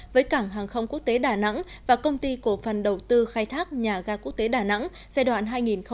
với cảng hàng không quốc tế đà nẵng và công ty cổ phần đầu tư khai thác nhà ga quốc tế đà nẵng giai đoạn hai nghìn một mươi sáu hai nghìn hai mươi